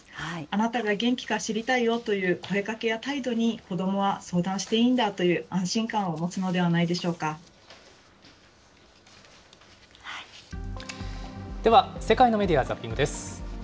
あなたが元気か知りたいよという声かけや態度に、子どもは相談していいんだという安心感を持つのではないでしょうでは、世界のメディア・ザッピングです。